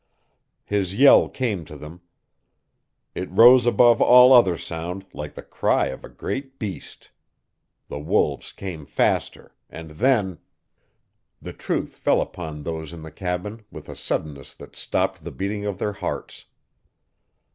His yell came to them. It rose above all other sound, like the cry of a great beast. The wolves came faster, and then The truth fell upon those in the cabin with a suddenness that stopped the beating of their hearts.